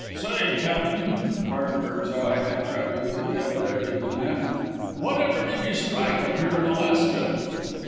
"Say, Cap'n!" Hardenberg's eye had traveled to the upper edge of the map "whatever did you strike up here in Alaska?